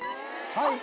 はい！